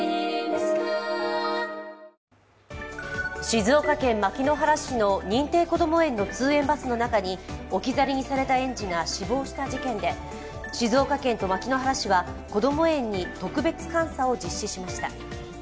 静岡県牧之原市の認定こども園の通園バスの中に置き去りにされた園児が死亡した事件で、静岡県と牧之原市はこども園に特別監査を実施しました。